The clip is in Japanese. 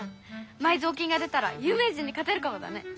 埋蔵金が出たらゆう名人にかてるかもだね！